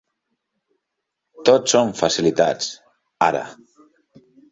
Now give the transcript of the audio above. Tot són facilitats, ara.